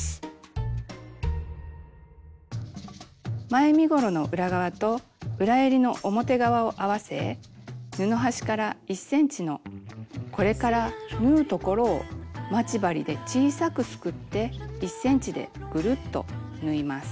前身ごろの裏側と裏えりの表側を合わせ布端から１ｃｍのこれから縫うところを待ち針で小さくすくって１ｃｍでぐるっと縫います。